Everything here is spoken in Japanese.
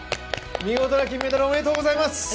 見事な金メダル、おめでとうございます！